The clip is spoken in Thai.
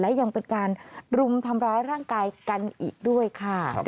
และยังเป็นการรุมทำร้ายร่างกายกันอีกด้วยค่ะ